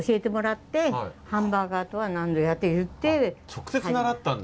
直接習ったんだ。